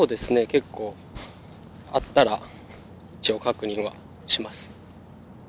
結構あったら一応、確認はします。